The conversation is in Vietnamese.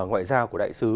ngoại giao của đại sứ